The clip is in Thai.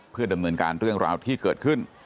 เพื่อดำเนินการเรื่องราวที่เกิดขึ้น